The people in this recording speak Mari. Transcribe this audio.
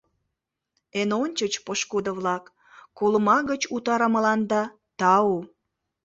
Эн ончыч, пошкудо-влак, колыма гыч утарымыланда тау.